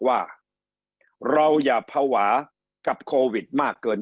ว่าเราอย่าภาวะกับก่อนไป